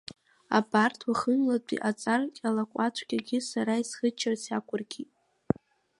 Абарҭ уахынлатәи аҵар ҟьалақәаҵәҟьагьы сара исхыччарц иақәыркит.